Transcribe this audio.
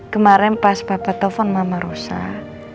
kemarin pas papa telfon mama rusak